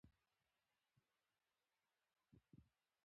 جګړې یوازې ویجاړي رامنځته کوي.